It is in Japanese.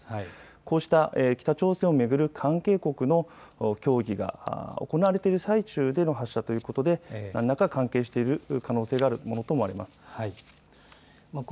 こうした北朝鮮を巡る関係国の協議が行われている最中での発射ということで何らか関係しているものと思われます。